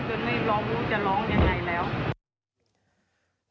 จนไม่ร้องรู้จะร้องอย่างไรแล้ว